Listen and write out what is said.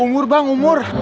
umur bang umur